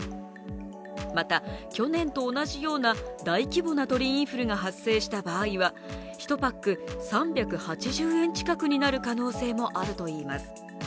また去年と同じような大規模な鳥インフルが発生した場合は１パック３８０円近くになる可能性もあるといいます。